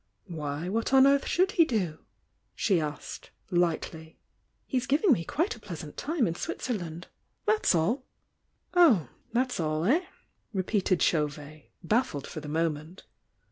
"Why, what on earth should he do?" she asked, lightly. "He's giving me quite a plt >sant time in Switzerland— that's all!" "Oh! That's all, eh?" repeated Chauvet, baffled for the moment.